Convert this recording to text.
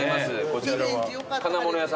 こちらは。